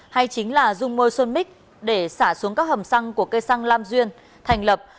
hay chính là dung môi xuân mích để xả xuống các hầm xăng của cây xăng lam duyên thành lập